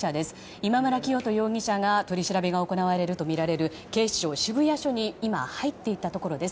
今村容疑者が取り調べが行われるとみられる警視庁渋谷署に今、入っていったところです。